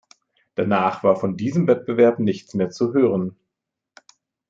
Danach war von diesem Wettbewerb nichts mehr zu hören.